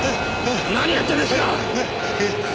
何やってるんですか！